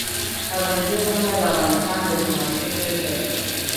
پابندی غرونه د افغانستان د جغرافیې بېلګه ده.